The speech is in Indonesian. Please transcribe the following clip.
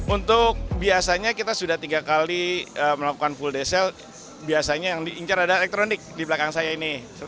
untuk biasanya kita sudah tiga kali melakukan full day sale biasanya yang diincar adalah elektronik di belakang saya ini